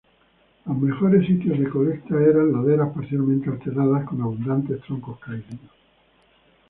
Los mejores sitios de colecta eran laderas parcialmente alteradas con abundantes troncos caídos.